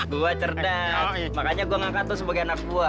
gua cerdas makanya gua ngangkat lu sebagai anak gua